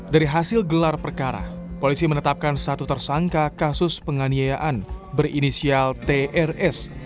dari hasil gelar perkara polisi menetapkan satu tersangka kasus penganiayaan berinisial trs